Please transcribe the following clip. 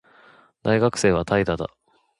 大学生は怠惰だ